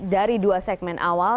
dari dua segmen awal